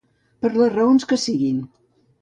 Per les raons que siguin.